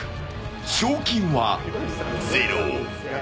賞金はゼロ。